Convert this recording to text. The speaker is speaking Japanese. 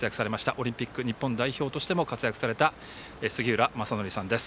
オリンピック日本代表としても活躍された杉浦正則さんです。